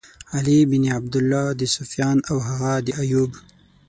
علی بن عبدالله، د سُفیان او هغه د ایوب.